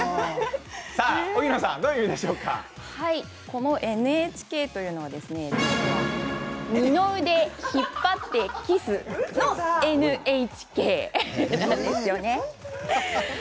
このＮＨＫというのは二の腕引っ張ってキスのＮＨＫなんですよね。